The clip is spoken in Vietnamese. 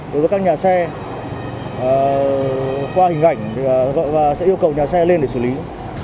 đối với các nhà xe qua hình ảnh và sẽ yêu cầu nhà xe lên để xử lý